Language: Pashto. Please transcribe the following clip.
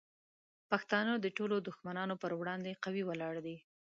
پښتانه د ټولو دشمنانو پر وړاندې قوي ولاړ دي.